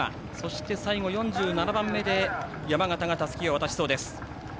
最後４７番目で山形がたすきを渡しそうです。